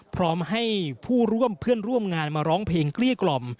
พร้อมให้ผู้ร่วมเพื่อนร่วมงานมาร้องเพลงเกลี้ยกล่อม